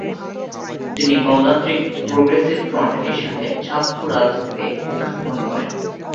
তিনি "গণতান্ত্রিক progressive front" এর সাথে ছাত্র রাজনীতিতে অংশগ্রহণ করেন।